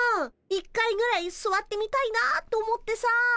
一回ぐらいすわってみたいなと思ってさ。